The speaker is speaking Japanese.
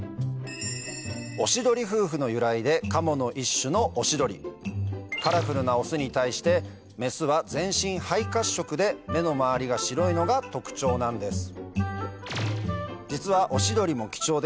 「おしどり夫婦」の由来でカモの一種のカラフルなオスに対してメスは全身灰褐色で目の周りが白いのが特徴なんです